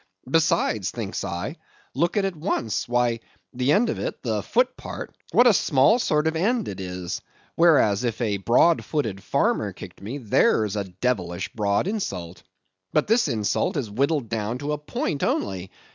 Besides,' thinks I, 'look at it once; why, the end of it—the foot part—what a small sort of end it is; whereas, if a broad footed farmer kicked me, there's a devilish broad insult. But this insult is whittled down to a point only.